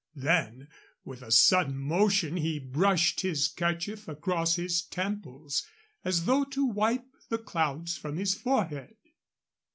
Then, with a sudden motion, he brushed his kerchief across his temples, as though to wipe the clouds from his forehead.